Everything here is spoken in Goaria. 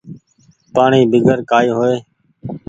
پآڻيٚ بيگر ڪآئي هوئي ۔